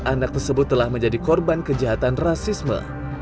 anak tersebut telah menjadi korban kejahatan rasisme